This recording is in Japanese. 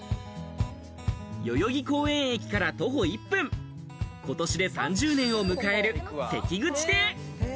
代々木公園駅から徒歩１分、今年で３０年を迎える関口亭。